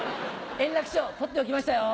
円楽師匠取っておきましたよ。